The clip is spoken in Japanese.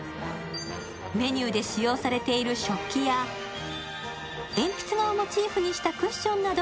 メニューで使用されている食器や鉛筆画をモチーフにしたクッションなど